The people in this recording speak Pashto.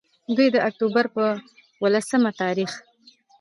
دوي د اکتوبر پۀ ولسم تاريخ